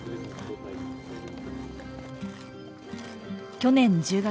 去年１０月。